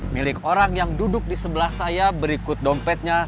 milik orang yang duduk di sebelah saya berikut dompetnya